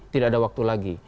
tidak ada waktu lagi